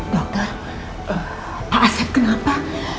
dokter pak asep kenapa